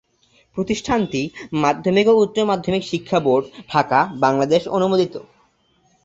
প্রতিষ্ঠানটি মাধ্যমিক ও উচ্চ মাধ্যমিক শিক্ষা বোর্ড, ঢাকা, বাংলাদেশ অনুমোদিত।